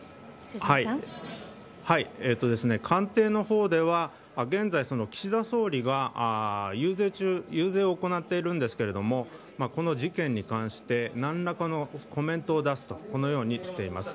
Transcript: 官邸のほうでは現在、岸田総理が遊説を行っているんですがこの事件に関して何らかのコメントを出すとこのようにしています。